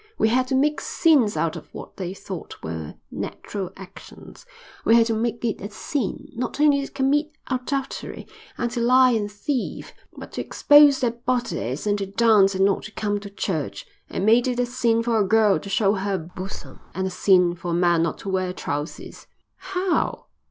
We had to make sins out of what they thought were natural actions. We had to make it a sin, not only to commit adultery and to lie and thieve, but to expose their bodies, and to dance and not to come to church. I made it a sin for a girl to show her bosom and a sin for a man not to wear trousers." "How?"